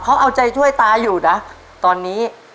เขาเอาใจช่วยตาอยู่นะตอนนี้